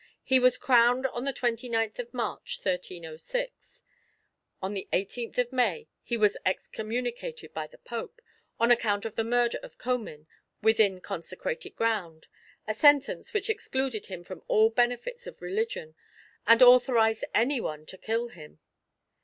He was crowned on the twenty ninth of March, 1306. On the eighteenth of May he was ex communicated by the Pope, on account of the murder of Comyn within consecrated ground, a sentence which excluded him from all benefits of religion, and authorized any one to kill him.